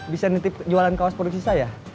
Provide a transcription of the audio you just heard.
bisa nitip jualan kaos produksi saya